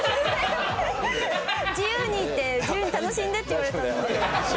自由にって自由に楽しんでって言われたんで。